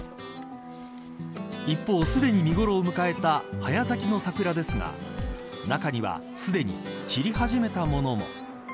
一方、すでに見頃を迎えた早咲きの桜ですが中にはすでに散り始めたものも。